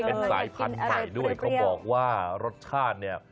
เป็นรายผันไว้ด้วยเขาบอกว่ารสชาตินี่อะ